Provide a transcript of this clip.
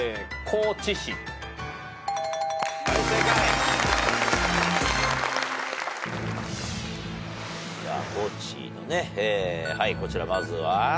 高知のねこちらまずは。